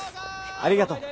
ありがとう。